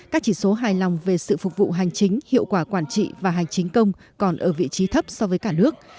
các chỉ số hài lòng về sự phục vụ hành chính hiệu quả quản trị và hành chính công còn ở vị trí thấp so với cả nước